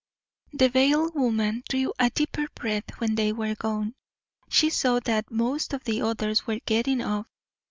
"] The veiled woman drew a deeper breath when they were gone. She saw that most of the others were getting off.